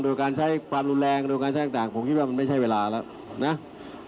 โดยการใช้ความรุนแรงโดยการใช้ต่างผมคิดว่ามันไม่ใช่เวลาแล้วนะ